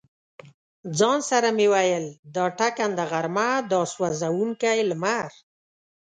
ځان سره مې ویل: دا ټکنده غرمه، دا سوزونکی لمر.